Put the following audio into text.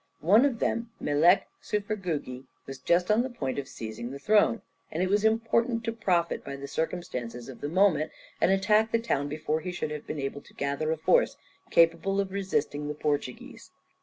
One of them, Melek Çufergugi, was just on the point of seizing the throne, and it was important to profit by the circumstances of the moment, and attack the town before he should have been able to gather a force capable of resisting the Portuguese.